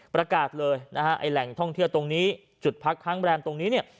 ประกาศเลยแหล่งท่องเที่ยวตรงนี้จุดพักข้างแบรมตรงนี้